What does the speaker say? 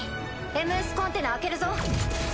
ＭＳコンテナ開けるぞ。